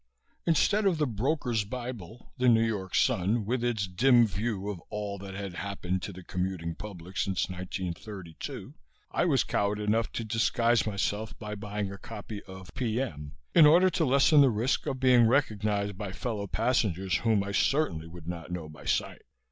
Instead of the broker's bible, "The New York Sun," with its dim view of all that had happened to the commuting public since 1932, I was coward enough to disguise myself by buying a copy of "P.M." in order to lessen the risk of being recognized by fellow passengers whom I certainly would not know by sight.